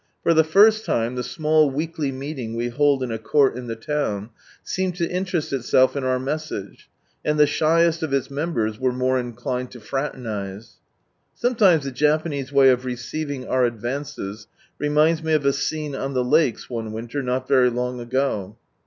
For the first time the small weekly meeting we hold in a court in the town, seemed to interest itself in our message, and the shyest of its members were more inclined to fraternise. Sometimes the Japanese way of receiving our advances, reminds me of a scene on the Lakes one winter, not very long ago.